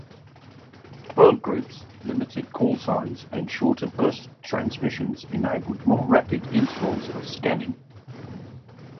Dwell groups, limited callsigns, and shorter burst transmissions enable more rapid intervals of scanning.